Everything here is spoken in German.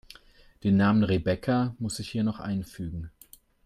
Den Namen Rebecca muss ich hier noch einfügen.